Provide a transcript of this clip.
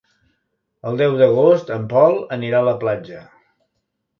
El deu d'agost en Pol anirà a la platja.